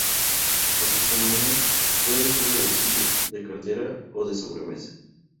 Por su tamaño, puede ser de bolsillo, de cartera, o de sobremesa.